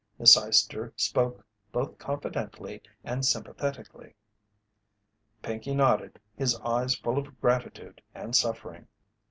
Miss Eyester spoke both confidently and sympathetically. Pinkey nodded, his eyes full of gratitude and suffering.